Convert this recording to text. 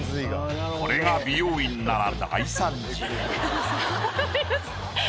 これが美容院なら大惨事。